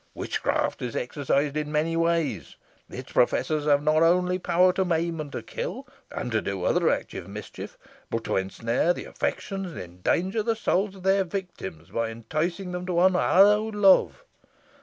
Witchcraft is exercised in many ways. Its professors have not only power to maim and to kill, and to do other active mischief, but to ensnare the affections and endanger the souls of their victims, by enticing them to unhallowed love.